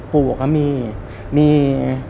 ปู่ก็มี